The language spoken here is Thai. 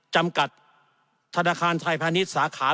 จำกัดธนาคารไทยพาณิชย์สาขา